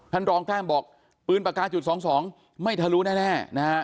ท่านรองแต้มบอกปืนปากกาจุด๒๒ไม่ทะลุแน่นะฮะ